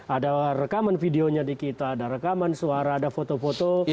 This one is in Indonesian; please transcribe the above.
ada rekaman videonya di kita ada rekaman suara ada foto foto